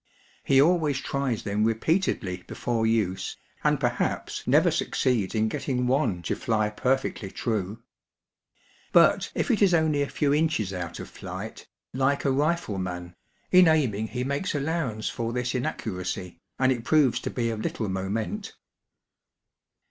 He always tries them repeatedly before use, and perhaps never succeeds in getting one to fly perfectly true. But if it is only a few inches out of flight, like a rifleman, in aiming he makes allowance for this inaccuracy, and it proves to be of little moment.